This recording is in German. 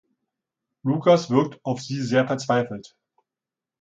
Lukas wirkt auf sie sehr verzweifelt.